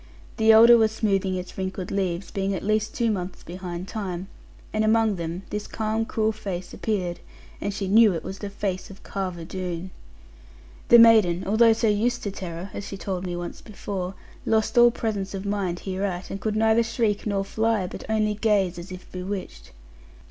The elder was smoothing its wrinkled leaves, being at least two months behind time; and among them this calm cruel face appeared; and she knew it was the face of Carver Doone. The maiden, although so used to terror (as she told me once before), lost all presence of mind hereat, and could neither shriek nor fly, but only gaze, as if bewitched.